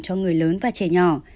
cho người lớn và trẻ nhỏ